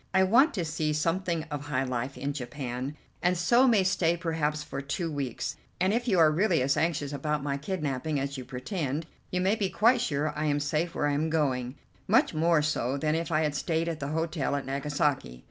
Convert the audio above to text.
I want to see something of high life in Japan, and so may stay perhaps for two weeks; and if you are really as anxious about my kidnapping as you pretend, you may be quite sure I am safe where I am going, much more so than if I had stayed at the hotel at Nagasaki.